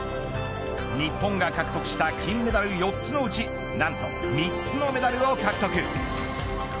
日本が獲得した金メダル４つのうちなんと３つのメダルを獲得。